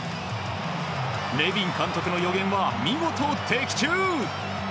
ネビン監督の予言は見事、的中！